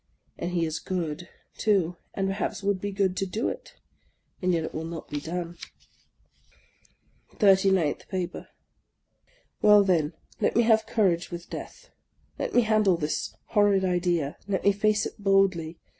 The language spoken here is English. And he is good, too, and perhaps would be glad to do it ; and yet it will not be done ! THIRTY NINTH PAPER WELL then, let me have courage with death, — let me handle this horrid idea, let me face it boldly.